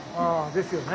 ですよね。